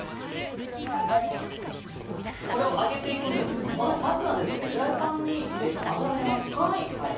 これを揚げていくんですがまずはフライパンに油を入れます。